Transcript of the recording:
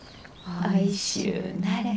おいしゅうなれ。